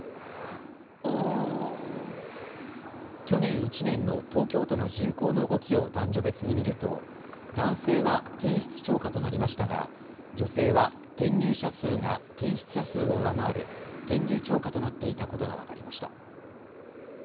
去年１年の東京都の人口の動きを男女別に見ると男性は転出超過となりましたが女性は転入者数が転出者数を上回る転入超過となっていたことが分かりました。